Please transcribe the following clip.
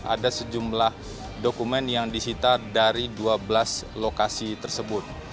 ada sejumlah dokumen yang disita dari dua belas lokasi tersebut